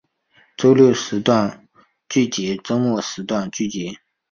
周六时段剧集周末时段剧集